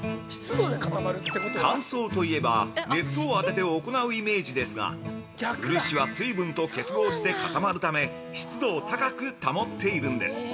◆乾燥といえば熱を当てて行うイメージですが漆は水分と結合して固まるため湿度を高く保っているんです。